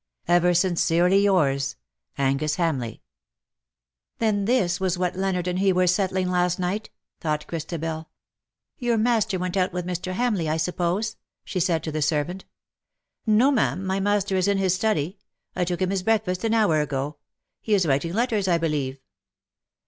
'' Ever sincerely yours, " Angus Hamleigh." " Then this was what Leonard and he were settling last night,^^ thought Christabel. " Your master went out with Mr. Hamleigh, I suppose," she said to the servant. " No, ma'am, my master is in his study. I took him his breakfast an hour ago. He is writing letters, I believe.